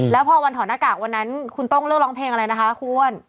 แล้วพอวันถอดหน้ากากวันนั้นคุณต้องเลือกร้องเพลงอะไรนะคะควร